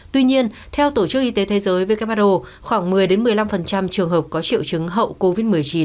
tuy nhiên theo tổ chức y tế thế giới who khoảng một mươi một mươi năm trường hợp có triệu chứng hậu covid một mươi chín